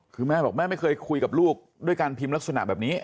คือแม่บอกแม่ไม่เคยคุยกับลูกด้วยการพิมพ์ลักษณะแบบนี้